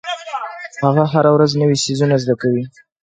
هغه هره ورځ نوې څیزونه زده کوي.